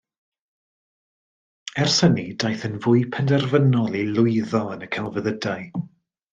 Ers hynny daeth yn fwy penderfynol i lwyddo yn y celfyddydau